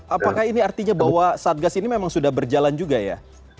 apakah ini artinya bahwa satgas ini memang sudah berjalan juga ya